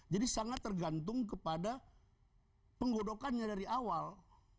jadi sangat tergantung kepada penggodokannya dari awal